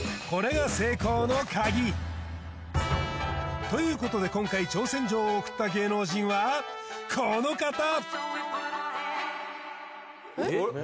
これが成功のカギということで今回挑戦状を送った芸能人はこの方！